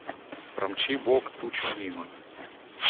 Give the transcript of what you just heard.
– Промчи бог тучу мимо.